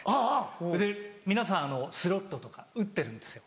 それで皆さんスロットとか打ってるんですよ。